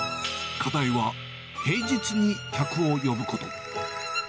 課題は平日に客を呼ぶこと。